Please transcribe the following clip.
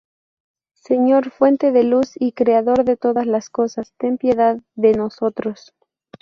Señor, fuente de luz y Creador de todas las cosas, ten piedad de nosotros.